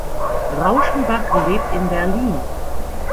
Rauschenbach lebt in Berlin.